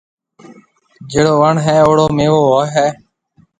جھيَََڙو وڻ هيَ اُوڙو ميوو هوئي هيَ۔